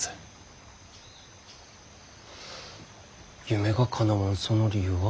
夢がかなわんその理由は？